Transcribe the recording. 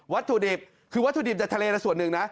ถุดิบคือวัตถุดิบจากทะเลละส่วนหนึ่งนะ